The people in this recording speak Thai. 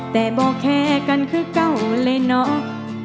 แต่บอกแค่กันคือเก่าเลยเนาะ